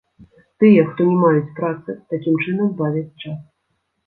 Тыя, хто не маюць працы, такім чынам бавяць час.